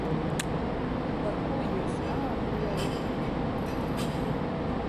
Parkū jius naatguojot?